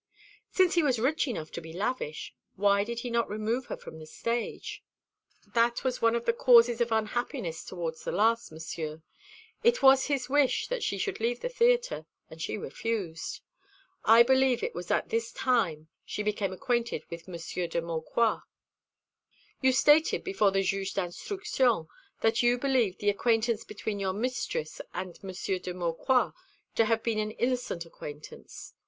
"Since he was rich enough to be lavish, why did he not remove her from the stage?" "That was one of the causes of unhappiness towards the last, Monsieur. It was his wish that she should leave the theatre, and she refused. I believe it was at this time she became acquainted with Monsieur de Maucroix." "You stated before the Juge d'Instruction that you believed the acquaintance between your mistress and Monsieur de Maucroix to have been an innocent acquaintance.